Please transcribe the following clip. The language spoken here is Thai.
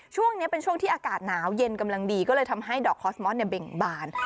ช่วงนี้เป็นช่วงที่อากาศหนาวเย็นกำลังดีก็เลยทำให้ดอกคอสมอสเนี่ยเบ่งบาน